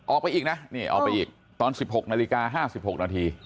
ออกไปอีกนะตอน๑๖นาฬิกา๕๑๖นาที